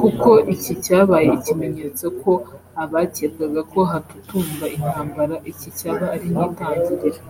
kuko iki cyabaye ikimenyetso ko abakekaga ko hatutumba intambara iki cyaba ari nk’itangiriro